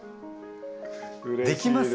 できますか？